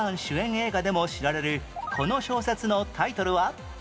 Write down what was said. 映画でも知られるこの小説のタイトルは？